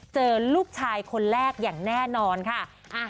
เจอลูกชายคนแรกอย่างแน่นอนค่ะ